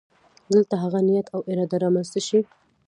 دلته هغه نیت او اراده رامخې ته شي.